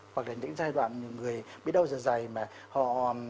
hoặc là những giai đoạn người biết đau dài dài mà họ